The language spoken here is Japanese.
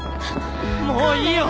もういいよ！